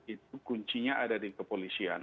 itu kuncinya ada di kepolisian